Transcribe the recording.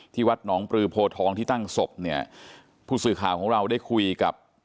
วัดหนองปลือโพทองที่ตั้งศพเนี่ยผู้สื่อข่าวของเราได้คุยกับ